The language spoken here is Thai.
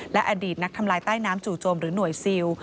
และอดีตนักทำลายใต้น้ำจู่โจมหรือหน่วยซิล